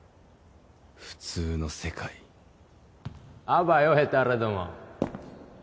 普通の世界あばよヘタレども。